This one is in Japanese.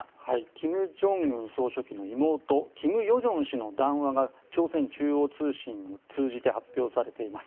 金正恩総書記の妹金与正氏の談話が朝鮮中央通信を通じて発表されています。